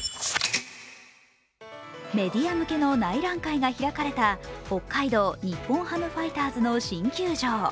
メディア向けの内覧会が開かれた北海道日本ハムファイターズの新球場。